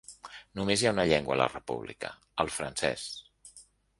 Només hi ha una llengua a la república, el francès.